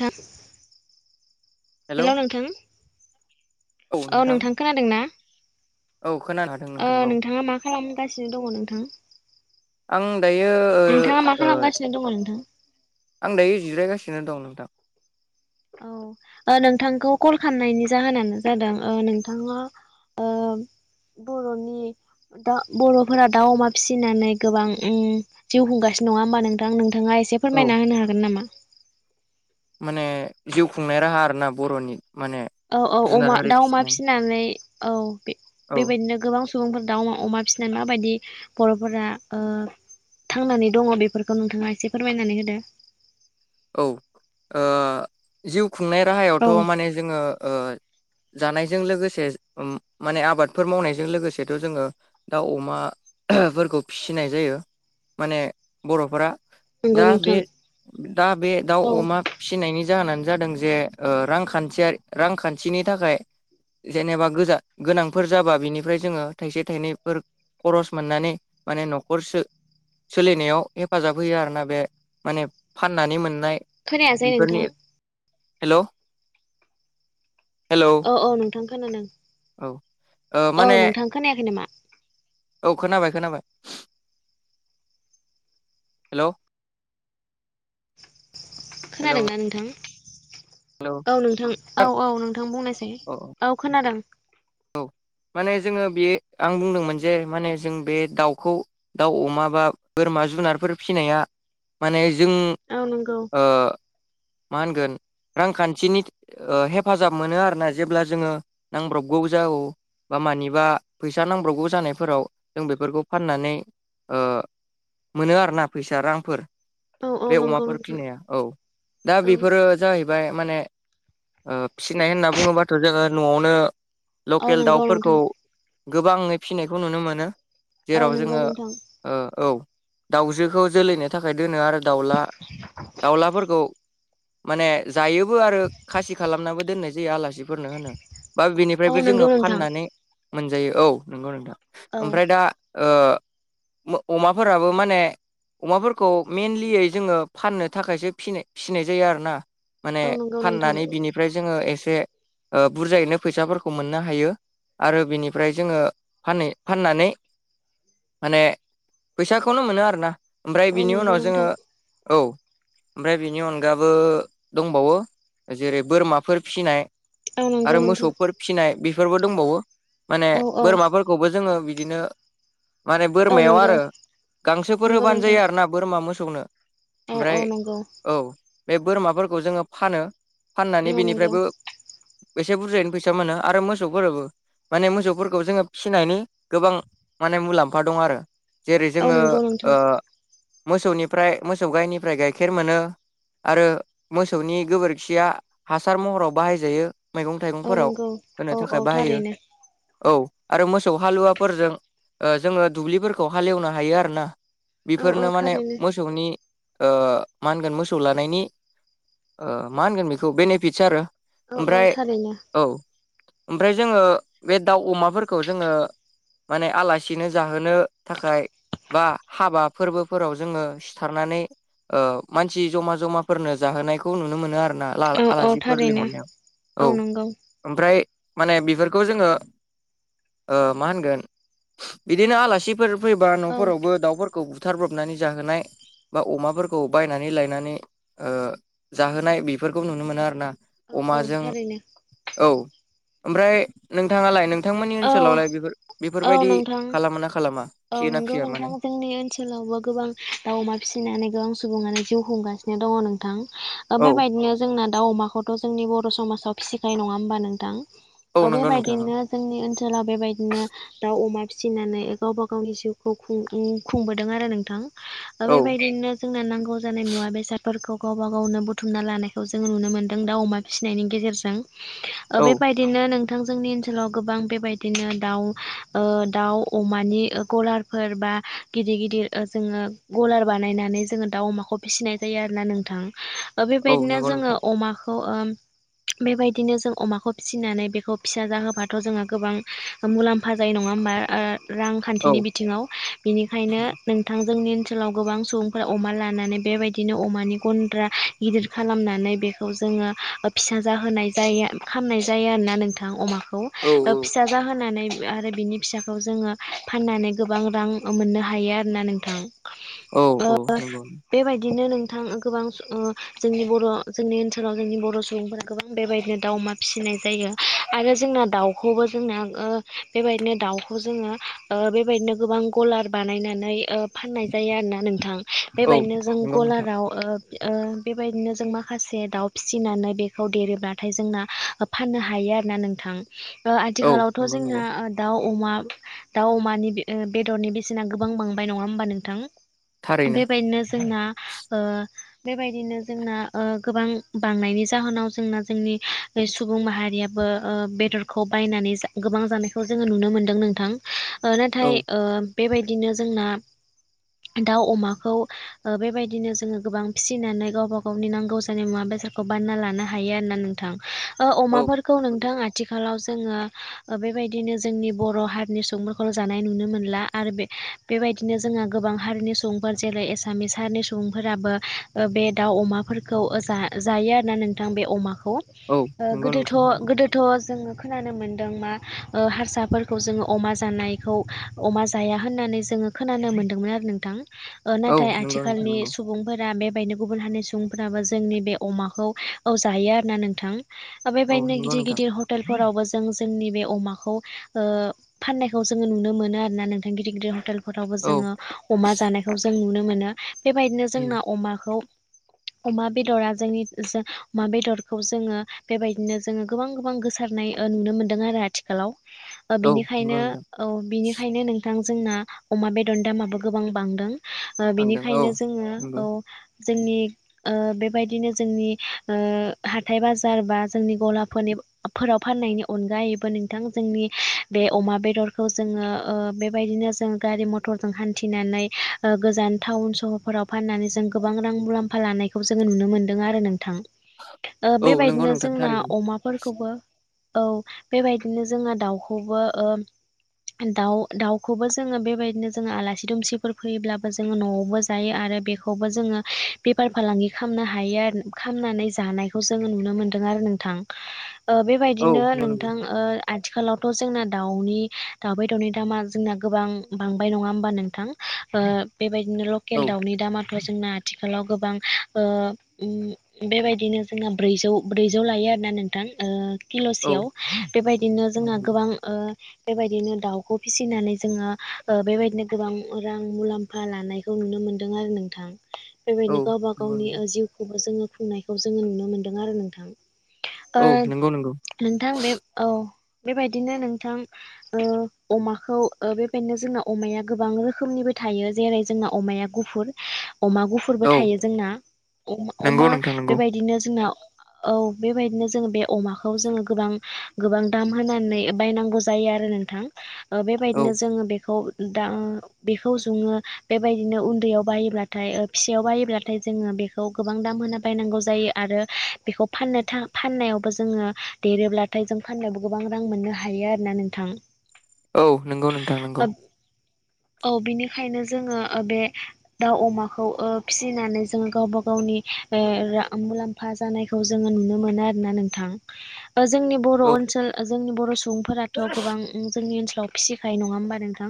नोंथां hello hello नोंथां औ नोंथां खोनादोंना औ खोनानो हादों नोंथां औ नोंथांङा मा खालामगासिनो दंङो नोंथां आं दायो नोंथाङा मा ओ खालामगासिनो दङ नोंथां आं दायो जिरायगासिनो दं नोंथां औ नोंथांखौ कल खालामनायनि जाहोनानो जादों ओ नोंथाङा ओ बर'नि दा बर'फोरा दाउ अमा फिसिनानै गोबां ओ जिउ खुंगासिनो नङा होमबा नोंथां नों नोंथाङा एसे औ फोरमायना होनो हागोन नामा माने जिउ खुंनाय राहा आरोना बर'नि माने औ औ जुनार अमा हारि दाउ अमा फिसिनाय फिसिनानै औ औ बेबायदिनो गोबां सुबुंफोर दाउ अमा अमा फिसिनाय माबायदि बर'फोरा ओ थांनानै दङ बेफोरखौ नोंथाङा एसे फोरमायनानै होदो औ ओ जिउ खुंनाय राहायावथ' औ माने जोङो जानायजों लोगोसे माने आबादफोर मावनायजों लोगोसेथ' जोङो दाउ अमा फोरखौ फिसिनाय जायो माने बर'फोरा नंगौ दा बे नोंथां दा बे दाउ औ अमा फिसिनायनि जाहोनानो जादों जे ओ रांखान्थियारि रांखान्थिनि थाखाय जेनेबा गोजा गोनांफोर जाबा बिनिफ्राय जोङो थाइसे थाइनैफोर खरस मोननानै माने न'खरसो सोलिनायाव हेफाजाब होयो आरोना बे माने फाननानै मोननाय खोनायासै नोंथां हेल' औ औ नोंथां खोनादों औ ओ औ माने नोंथां खोनायाखै नामा औ खोनाबाय खोनाबाय हेल' खोनादोंना नोंथां हेलौ औ नोंथां औ औ नोंथां बुंनोसै औ खोनादों औ माने जोङो बेयो आं बुंदोंमोन जे माने जों बे दाउखौ दाउ अमा बा बोरमा जुनारफोर फिसिनाया माने जों औ नंगौ ओ मा होनगोन रांखान्थिनि हेफाजाब मोनो आरोना जेब्ला जोङो नांब्रब गौ जा बा मानिबा फैसा नांब्रावगौ जानायफोराव जों बेफोरखौ फाननानै ओ मोनो आरोना फैसा रांफोर औ औ बे नंगौ अमाफोर नोंथां फिनाया औ दा औ बेफोरो जाहैबाय माने ओ फिनाय होनना बुङोबाथ' जोङो न'वावनो औ लकेल नंगौ दाउफोरखौ नोंथां गोबाङै फिनायखौ नुनो मोनो औ जेराव नंगौ जोङो नोंथां ओ औ दाउजोखौ जोलैनो थाखाय दोनो आरो दाउला दाउलाफोरखौ माने जायोबो आरो खासि खालामनाबो दोननाय जायो आलासिफोरनो होनो बा औ ओमफ्रायबो नंगौ जोङो नोंथां फाननानै मोनजायो औ नंगौ नोंथां औ ओमफ्राय दा अमाफोराबो माने अमाफोरखौ मइेनलियै जोङो फाननो थाखायसो फिसिनाय जायो आरोना माने औ नंगौ नोंथां फाननानै बिनिफ्राय जोङो एसे बुरजायैनो फैसाफोरखौ खौ मोननो हायो आरो बेनिफ्राय जोङो फा फाननानै माने फैसाखौनो मोनो आरोना ओमफ्राय औ बिनि नंगौ उनाव जोङो नोंथां औ ओमफ्राय बेनि अनगाबो दंबावो जेरै बोरमाफोर फिसिनाय औ नंगौ आरो नोंथां मोसौफोर फिनाय बेफोरबो दंबावो माने औ औ बोरमाफोरखौबो जोङो बिदिनो माने औ बोरमायाव नंगौ आरो गांसोफोर नंगौ होबानो नोंथां जायो आरो ना बोरमा मोसौनो औ औ ओमफ्राय नंगौ औ बे बोरमाफोरखौ जोङो फानो फाननानै औ नंगौ बिनिफ्रायबो एसे बुरजायैनो फैसा मोनो आरो मोसौफोराबो माने मोसौफोरखौ जोङो फिसिनायनि गोबां माने मुलाम्फा दं आरो जेरै औ जोङो नंगौ ओ नोंथां मोसौनिफ्राय मोसौ गाइनिफ्राय गाइखेर मोनो आरो मोसौनि गोबोरखिया हासार महराव बाहायजायो मैगं औ थाइगंफोराव नंगौ होनो औ औ थाखाय बाहायो थारैनो औ आरो मोसौ हालुवाफोरजों ओ जोङो दुब्लिफोरखौ हालेवनो हायो आरो ना औ औ बेफोरनो माने थारैनो मोसौनि ओ मा होनगोन मोसौ लानायनि ओ मा होनगोन बेखौ बेनिफिट्स आरो औ औ ओमफ्राय थारैनो औ ओमफ्राय जोङो बे दाउ अमाफोरखौ जोङो माने आलासिनो जाहोनो थाखाय बा हाबा फोरबोफोराव जोङो सिथारनानै ओ मानसि जमा जमाफोरनो जाहोनायखौ नुनो मोनो आरोना औ औ आलासिफोर थारैनो लिंहरनायाव औ ओमफ्राय माने बेफोरखौ जोङो ओ मा होनगोन बिदिनो आलासि फोर फैबा औ नफोरावबो दाउफोरखौ बुथारब्रबनानै जाहोनाय बा अमाफोरखौ बायनानै लायनानै ओ जाहोनाय बेफोरखौ नुनो मोनो आरो ना औ औ थारैनो ओ ओमफ्राय नोंथाङालाय नों थांमोननि औ ओनसोलावलाय बेफोर औ बेफोरबायदि नोंथां खालामो ना खालामा फियो ना फिया माने अबबा गोबां दाउ अमा फिसिनानै गोबां सुबुङानो जिउ खुंगासिनो दङ नोंथां ओ औ बेबायदिनो जोंना दाउ अमाखौथ' जोंनि बर' समाजाव फिसिखायो नङा होमबा नोंथां औ नंगौ नोंथां ओ बेबायदिनो जोंनि ओनसोलाव बेबायदिनो दाउ अमा फिसिनानै गावबा गावनि जिउखौ खुं-खुंबोदों आरो नोंथां ओ औ बेबायदिनो जोंना नांगौ जानाय मुवा बेसादफोरखौ गावबा गावनो बुथुमना लानायखौ जोङो नुनो मोन्दों दाउ अमा फिसिनायनि गेजेरजों ओ औ बेबायदिनो नोंथां जोंनि ओन सोलाव गोबां बेबायदिनो दाउ ओ दाउ अमानि गलारफोर बा गि दिर गिदिर जोङो गलार बानायनानै जोङो दाउ अमाखौ फिसिनाय जायो आरो ना नोंथां औ बेबायदिनो नंगौ जोङो नोंथां अमा खौ ओ बेबायदिनो जों अमाखौ फिसिनानै बेखौ फिसा जाहो बाथ' जोंहा गोबां मुलाम्फा जायो नङा होमबा ओ औ रांखान्थिनि बिथिङाव बिनिखायनो नोंथां जोंनि ओनसोलाव गोबां सुबुंफोरा अमा लानानै बेबायदिनो अमानि गन्द्रा गिदिर खालामनानै बेखौ जोङो जोङो ओ फिसा जाहोनाय जायो खामनाय जायो आरोना नोंथां अमाखौ ओ औ औ फिसा जाहोनानै आरो बिनि फिसाखौ जोङो फाननानै गोबां रां मोननो हायो आरोना नोंथां औ ओ औ नंगौ बेबाय दिनो नोंथां गोबां ओ जोंनि बर' जोंनि ओनसोलाव जोंनि बर' सुबुंफोरा गोबां बेबायदिनो दाउ अमा फिसिनाय जायो आरो जोंना दाउखौबो जोंना ओ बेबायदिनो दाउखौ जोङो ओ बेबायदिनो गोबां गलार बानायना नै ओ फाननाय जायो आरो ना नोंथां औ बेबायदिनो जों नंगौ नोंथां गलाराव ओ ओ बेबायदिनो जों माखासे दाउ फिसिनानै बेखौ देरोब्लाथाय जोंना फाननो हायो आरोना नोंथां ओ औ आथिखालावथ' नंगौ नंगौ जोंना दाउ अमा दाउ अमानि बेदरनि बेसेना गोबां बांबाय नङा होमबा नोंथां थारैनो बेबायदिनो जोंना ओ बेबायदिनो जोंना ओ गोबां बांनायनि जाहोनाव जोंना जोंनि सुबुं माहारिया बो ओ बेदर खौ बायनानै गोबां जानायखौ जोङो नुनो मोनदों नोंथां ओ औ नाथाय ओ बेबायदिनो जोंना दाउ अमाखौ ओ बेबायदिनो जोङो गोबां फिसिनानै गावबा गावनि नांगौ जानाय मुवा बेसादखौ बानायना लानो हायो नोंथां ओ औ आयदाफोरखौ नोंथां आथि खालाव जोङो ओ बेबायदिनो जोंनि बर' हारिनि सुबुंफोरखौल जानाय नुनो मोनला आरो बे बेबायदिनो जोंहा गोबां हारिनि सुबुंफोर जेरै एसामिस हारिनि सुबुंफोराबो ओ बे दाउ अमा जायो आरोना नोंथां बे अमाखौ औ ओ नंगौ नोंथां गोदोथ' नंगौ गोदोथ' जोङो खोनानो मोनदों मा ओ हारसाफोरखौ जोङो अमा जानायखौ अमा जाया होननानै जो खोनानो मोनदोंमोन आरो नोंथां ओ औ नाथाय नंगौ नोंथां आथिखालनि नंगौ सुबुंफोरा बे बेहायनो गुबुन हारि सुबुंफ्राबो जोंनि बे अमाखौ औ जायो आरो ना नोंथां? आरो औ बेबायदिनो नंगौ गिदिर नोंथां गिदिर फोरावबो जों जोंनि बे अमाखौ ओ फाननायखौ जोङो नुनो मोनो आरो ना नोंथां गिदिर गिदिर हटेल नावबो औ जोङो अमा जानायखौ जों नुनो मोनो बेबायदिनो जोंना अमाखौ अमा बेदरा जोंनि अमा बेदरखौ जोङो बेबायदिनो जोङो गोबां गोबां गोसो नाय ओ नुनो मोनदों आरो आथिखालाव औ बिनिखायनो नंगौ नोंथां ओ बिनिखायनो ओ नोंथां जोंना अमा बेदर दामाबो गोबां बांदों ओ थांदों औ बेनिखायनो जोङो नंगौ औ जोंनि ओ बेबायदिनो जोंनि ओ हाथाइ बाजार बा जोंनि गलाफोरनि फोराव फाननायनि अनगायैबो नोंथां जोंनि बे अमा बेदरखौ जोङो ओ बेबायदिनो नों जों गारि मथरजों हानथिनानै ओ गोजान टाउन सहरफोराव फाननानै जोंङो गोबां रां मुलामफा लानायखौ जों नुनो मोनदों आरो नोंथां औ नंगौ बेबायदिनो नोंथां जोंना थारैनो अमाफोर खौबो औ बेबायदिनो जोङो दाउखौबो ओ दाउ दाउखौबो जोङो बेबायदिनो जोङो आलासि दुमसिफोर फैयोब्लाबो जोङो न'आवबो जायो आरो आरो बेखौबो जोङो बेफार फालांगि खालामनो हायो आरो खालामनानै जानायखौ जोङो नुनो मोनदों आरो आरो नोंथां ओ औ बेबायदिनो ओ नंगौ नंगौ नोंथां आथिखालावथ' जोंना दाउनि दाउ बेदरनि दामा जोंना गोबां बांबाय नङा होमबा नोंथां? ओ बेबायदिनो लकेल औ दाउनि दामा जोंना आथिखालाव गोबां ओ बेबायदिनो जों ब्रै ब्रैजौ लायो आरो आरो ना नोंथां? ओ औ किल'सेयाव बेबायदिनो जोंना नंगौ गोबां ओ बेबायदिनो दाउखौ फिसिनानै जोङो ओ बेबायदिनो गोबां रां मुलाम्फा लानायखौ नुनो मोनो। मोनदों आरो नोंथां। बेबायदिनो गावबा गावनि नंगौ जिउखौबो जोङो खुंनायखौ जोङो नुनो मोनदों आरो नोंथां। औ नंगौ नंगौ नोंथां बे औ बेबायदिनो नोंथां ओ अमाखौ बेबायदिनो जोंना ओ अमाया गोबां रोखोमनि बाय थायो जेरै जोंना अमाया गुफुर अमा गुफुरबो औ थायो जोंना नंगौ अमा नोंथां नंगौ बेबायदिनो जोंना औ बेबायदिनो जोङो बे अमाखौ जोङो गोबां गोबां दाम होनानै बायनांगौ जायो आरो नोंथां। औ बेबायदिनो जोङो बेखौ दा बेखौ जुङो बेबायदिनो उन्दैयाव बायोब्लाथाय फिसायाव बायोब्लाथाय जोङो बेखौ गोबां दाम होना बायनांगौ जायो आरो बेखौ फाननो फाननायावबो जों जोङो देरोब्लाथाय फानोब्ला जों गोबां रां मोननो हायो आरोना नोंथां। औ नंगौ नोंथां नंगौ। औ बिनिखायनो जोङो ओ बे दाउ अमाखौ ओ फिसिनानै जोङो गावबा गावनि ओ मुलाम्फा जानायखौ जोङो नुनो मोनो आरोना नोंथां। ओ जोंनि बर' औ ओनसोल जोंनि बर' सुबुंफोराथ' गोबां जोंनि फ्राव फिसिखायो नङा होमबा नोंथां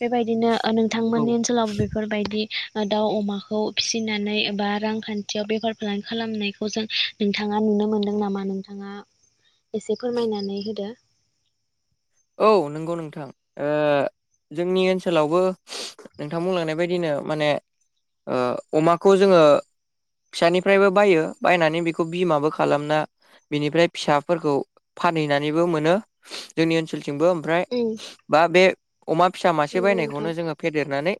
बेबायदिनो ओ औ नोंथांमोननि ओनसोलावबो बेफोरबायदि दाउ अमाखौ फिसिनानै बा रांखान्थियाव बेफार फालांगि खालामनायखौ जों नोंथां ना नुनो मोनदों नामा नोंथाङा एसे फोरमायनानै होदो। औ नंगौ नोंथां जोंनि ओनसोलावबो नोंथां बुंलांनाय बायदिनो माने अमाखौ जोङो फिसानिफ्रायबो बायो बायनानै बेखौ बिमाबो खालामना बिनिफ्राय फिसाफोरखौ फानहैनानैबो मोनो जोंनि ओनसोल थिंबो ओमफ्राय बा बे अमा फिसा मासे नंगौ नोंथां बायनायखौनो जोङो फेदेरनानै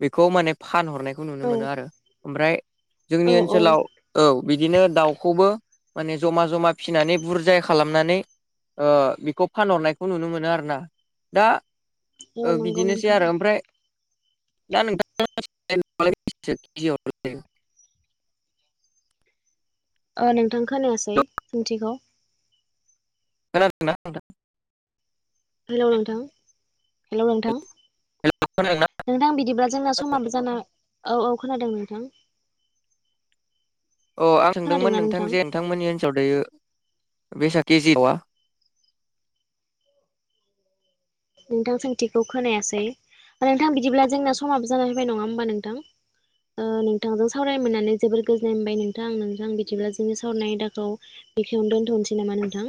बेखौ माने फानहरनायखौ नुनो औ मोनो आरो ओमफ्राय जोंनि औ औ ओनसोलाव औ बिदिनो दाउखौबो माने जमा जमा फिसिनानै बुरजाय खालामनानै ओ बेखौ फानहरनायखौ नुनो मोनो आरोना दा औ ओ नंगौ बिदिनोसै नोंथां आरो ओमफ्राय दा नोंथां [unintelligible] अ नोंथां खोनायासै खोनादोंना सोंथिखौ खोनादोंना नोंथां। हेलौ नोंथां हेलौ नोंथां हेल' खोनादोंना? नोंथां बिदिब्ला जोंना समाबो जाना औ औ खोनादों नोंथां अ आं सोंदोंमोन नोंथां जे नोंथांमोननि ओनसोलाव दायो। बेस केजि दावा नोंथां सोंथिखौ खोनायासै आरो नोंथां बिदिब्ला जोंना समाबो जाना फैाय नङा होमबा नोंथां? ओ नोंथांजों सावराय मोननानै जोबोर गोजोननाय मोनबाय नोंथां नोंथां बिदिब्ला जोंनि सावरायनाय आयदाखौ बेखिनियावनो दोनथ'नोसै नामा नोंथां?